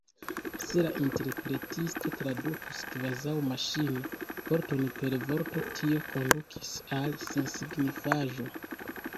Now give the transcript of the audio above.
Se la interpretisto tradukus kvazaŭ maŝino, vorton per vorto, tio kondukus al sensignifaĵo.